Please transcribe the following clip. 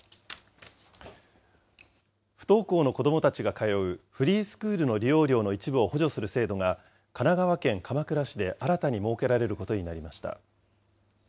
不登校の子どもたちが通うフリースクールの利用料の一部を補助する制度が、神奈川県鎌倉市で新たに設けられることになりまし